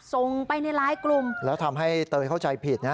ส่งไปในหลายกลุ่มแล้วทำให้เตยเข้าใจผิดนะ